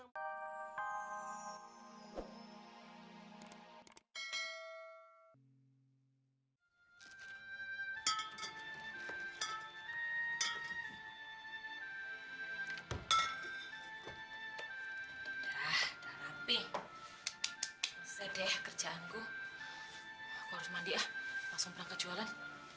udah rapi sedih kerjaanku harus mandi langsung perang kejualan